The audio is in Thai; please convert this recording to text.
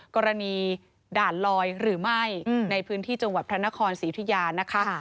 กรณีด่านลอยหรือไม่ในพื้นที่จังหวัดพระนครศรีอุทยานะคะ